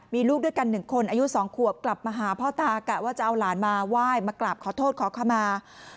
มีลูกด้วยกัน๑คนอายุ๒ขวบกลับมาหาพ่อตากะว่าจะเอาหลานมาไหว้มากราบขอโทษขอขมา